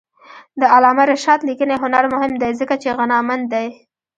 د علامه رشاد لیکنی هنر مهم دی ځکه چې غنامند دی.